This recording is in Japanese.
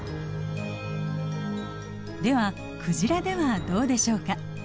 ではクジラではどうでしょうか。